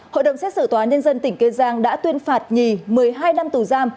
hội đồng xét xử tòa nhân dân tỉnh kiên giang đã tuyên phạt nhì một mươi hai năm tù giam